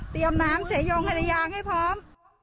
เตรียมน้ำเฉยงไฮรยางให้พร้อม